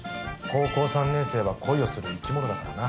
高校３年生は恋をする生き物だからな。